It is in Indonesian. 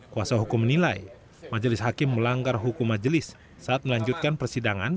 kuasa hukum menilai majelis hakim melanggar hukum majelis saat melanjutkan persidangan